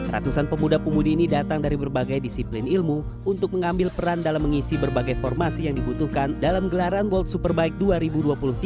ratusan pemuda pemudi ini datang dari berbagai disiplin ilmu untuk mengambil peran dalam mengisi berbagai formasi yang dibutuhkan dalam gelaran world superbike dua ribu dua puluh tiga